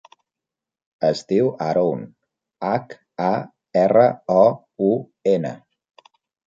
Es diu Haroun: hac, a, erra, o, u, ena.